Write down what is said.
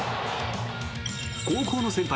高校の先輩